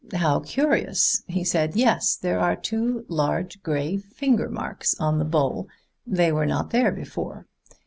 "How curious," he said. "Yes, there are two large gray finger marks on the bowl. They were not there before."